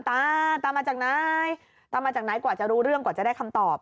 ตาตามาจากไหนตามาจากไหนกว่าจะรู้เรื่องกว่าจะได้คำตอบ